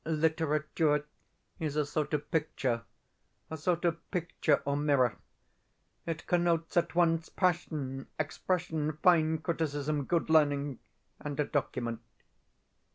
Literature is a sort of picture a sort of picture or mirror. It connotes at once passion, expression, fine criticism, good learning, and a document.